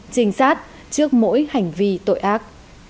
chính xác trước mỗi hành vi tội ác